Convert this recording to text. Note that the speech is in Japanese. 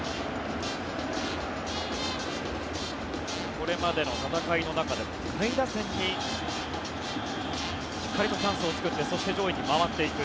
これまでの戦いの中で下位打線がしっかりとチャンスを作ってそして上位に回っていく。